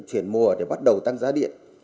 chuyển mùa để bắt đầu tăng giá điện